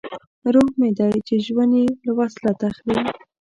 روح مې دی چې ژوند یې له وصلت اخلي